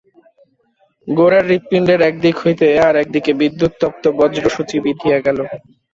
গোরার হৃৎপিণ্ডের এক দিক হইতে আর-এক দিকে বিদ্যুৎতপ্ত বজ্রসূচী বিঁধিয়া গেল।